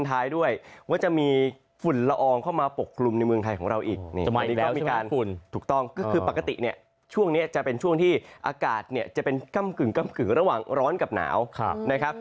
ถูกต้องก็คือปกติเนี่ยช่วงนี้จะเป็นช่วงที่อากาศเนี่ยจะเป็นกำกึงกำกึงระหว่างร้อนกับหนาวนะครับ